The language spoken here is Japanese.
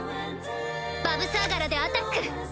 バヴサーガラでアタック！